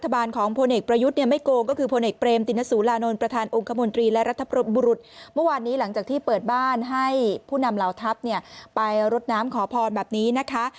เมื่อวานนี้หลังจากที่เปิดบ้านให้ผู้นำเหล้าทัพไปรดน้ำขอพรแบบนี้นะคะ